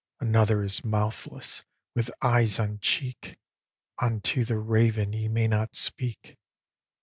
Another is mouthless, with eyes on cheek; Unto the raven he may not speak.